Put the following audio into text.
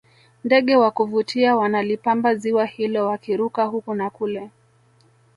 ndege wa kuvutia wanalipamba ziwa hilo wakiruka huku na kule